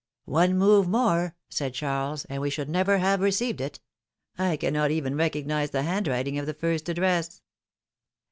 One move more/^ said Charles, and we should never have received it. I cannot even recognize the handwriting of the first address.